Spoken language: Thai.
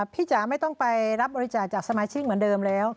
จ๋าไม่ต้องไปรับบริจาคจากสมาชิกเหมือนเดิมแล้ว